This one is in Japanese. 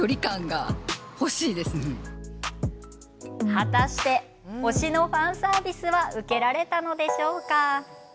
果たして推しのファンサービスは受けられたのでしょうか。